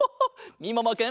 みももくん